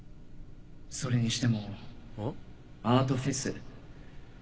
それにしてもアートフェス